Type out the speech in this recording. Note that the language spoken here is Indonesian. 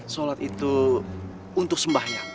sholat itu untuk sembahyang